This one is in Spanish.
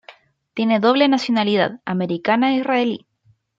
Tiene doble nacionalidad americana e israelí.